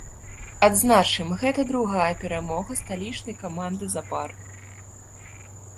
Адзначым, гэта другая перамога сталічнай каманды запар.